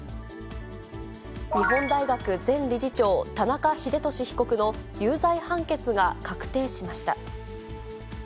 日本大学前理事長、田中英壽被告の有罪判決が確定しました。